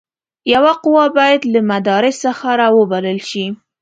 یوه قوه باید له مدراس څخه را وبلل شي.